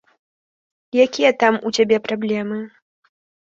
Якія там у цябе праблемы?